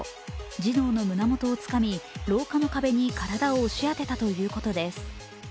児童の胸元をつかみ廊下の壁に体を押し当てたということです。